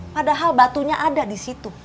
padahal batunya ada di situ